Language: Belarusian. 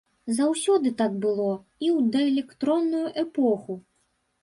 Заўсёды так было, і ў даэлектронную эпоху.